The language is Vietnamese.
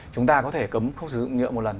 chúng ta có thể cấm không sử dụng nhựa một lần